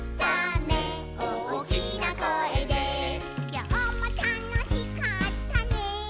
「きょうもたのしかったね」